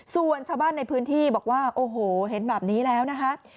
ส่วนชาวบ้านในพื้นที่บอกว่าโอ้โหเห็นแบบนี้แล้วนะคะ